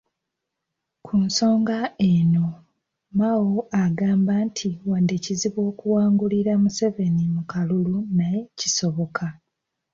Ku nsonga eno, Mao agamba nti wadde kizibu okuwangulira Museveni mu kalulu naye kisoboka.